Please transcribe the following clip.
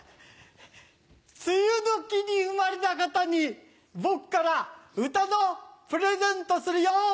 梅雨時に生まれた方に僕から歌のプレゼントするよ！